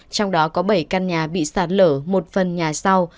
trong đó có bảy căn nhà bị sạt lở một phần nhà sau